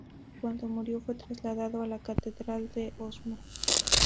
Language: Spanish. Cuando murió fue trasladado a la catedral de Osma.